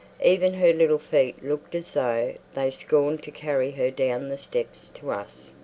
Even her little feet looked as though they scorned to carry her down the steps to us.